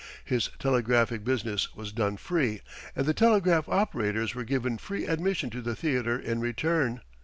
His telegraphic business was done free, and the telegraph operators were given free admission to the theater in return.